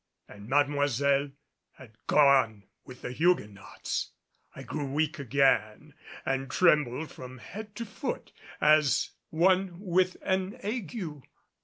And Mademoiselle had gone with the Huguenots! I grew weak again and trembled from head to foot as one with an ague.